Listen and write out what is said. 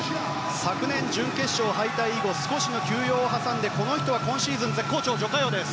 昨年、準決勝敗退以降少しの休養を挟んでこの人は今シーズン絶好調ジョ・カヨです。